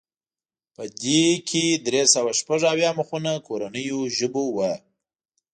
په دې کې درې سوه شپږ اویا مخونه کورنیو ژبو وو.